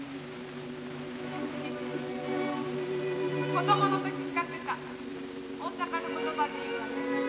子供の時使ってた大阪の言葉で言うわね。